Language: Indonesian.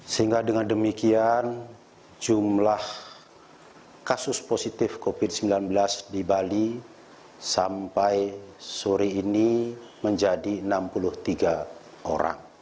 sehingga dengan demikian jumlah kasus positif covid sembilan belas di bali sampai sore ini menjadi enam puluh tiga orang